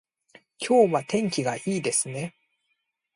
今日は天気がいいですね